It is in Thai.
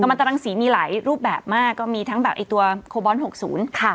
มันตรังสีมีหลายรูปแบบมากก็มีทั้งแบบไอ้ตัวโคบอลหกศูนย์ค่ะ